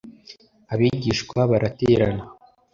abigishwa baraterana